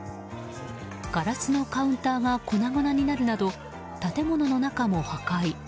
ガラスのカウンターが粉々になるなど、建物の中も破壊。